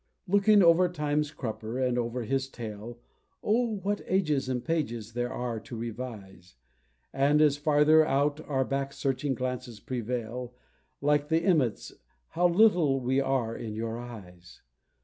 Looking over Time's crupper and over his tail, Oh, what ages and pages there are to revise! And as farther our back searching glances prevail, Like the emmets, "how little we are in our eyes!"